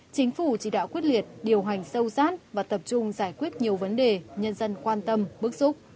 chính phủ chỉ đạo quyết liệt điều hành sâu sát và tập trung giải quyết nhiều vấn đề nhân dân quan tâm bức xúc